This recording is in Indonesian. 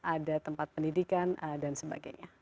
ada tempat pendidikan dan sebagainya